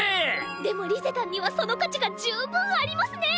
でもリゼたんにはその価値が十分ありますね！